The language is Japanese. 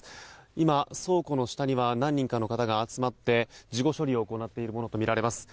今、倉庫の下には何人かの方が集まって事後処理を行っているものとみられます。